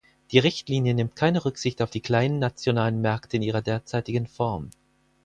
Die Richtlinie nimmt keine Rücksicht auf die kleinen, nationalen Märkte in ihrer derzeitigen Form.